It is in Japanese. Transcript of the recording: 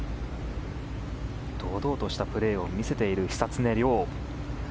堂々としたプレーを見せている久常涼。